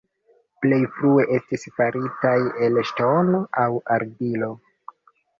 Plej frue estis faritaj el ŝtono aŭ argilo.